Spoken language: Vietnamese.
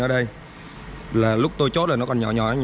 còn đây là một cuộc giao dịch khác tại một tiên thủy tỉnh hòa bình